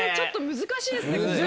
難しいですね今回。